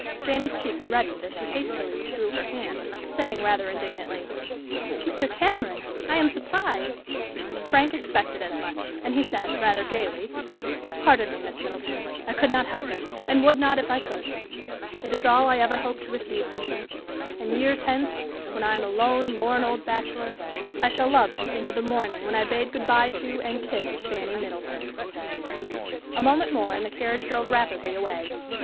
Fanny's cheeks reddened as she hastily withdrew her hand, saying rather indignantly, "Mr. Cameron, I am surprised!" Frank expected as much, and he said, rather gayly, "Pardon me, Miss Middleton, I could not help it, and would not if I could. It is all I ever hope to receive from you; and years hence, when I am a lone, lorn old bachelor, I shall love to think of the morning when I bade good by to and kissed Fanny Middleton." A moment more and the carriage drove rapidly away.